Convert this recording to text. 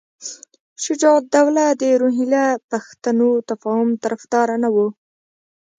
شجاع الدوله د روهیله پښتنو تفاهم طرفدار نه وو.